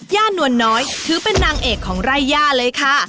นวลน้อยถือเป็นนางเอกของไร่ย่าเลยค่ะ